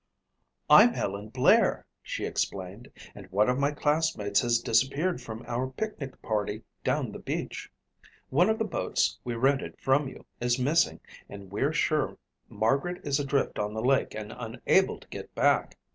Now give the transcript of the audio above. "I'm Helen Blair," she explained, "and one of my classmates has disappeared from our picnic party down the beach. One of the boats we rented from you is missing and we're sure Margaret is adrift on the lake and unable to get back.